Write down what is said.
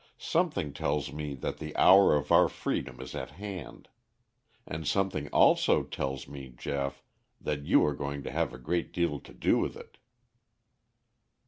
Something tells me that the hour of our freedom is at hand. And something also tells me, Geoff, that you are going to have a great deal to do with it."